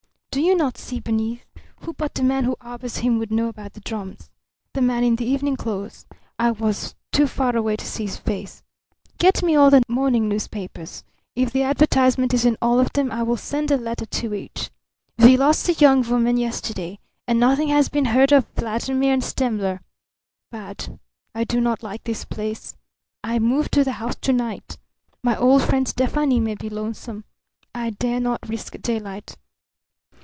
Do you not see beneath? Who but the man who harbours him would know about the drums? The man in the evening clothes. I was too far away to see his face. Get me all the morning newspapers. If the advertisement is in all of them I will send a letter to each. We lost the young woman yesterday. And nothing has been heard of Vladimir and Stemmler. Bad. I do not like this place. I move to the house to night. My old friend Stefani may be lonesome. I dare not risk daylight.